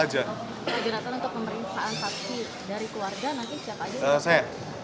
pak jonathan untuk pemerintahan satu dari keluarga nanti siapa aja yang